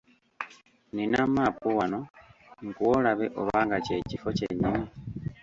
Nina map wano, nkuwe olabe obanga kye kifo kyennyini.